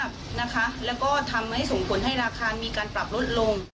ด้อยคุณภาพนะคะ